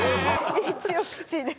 一応口です。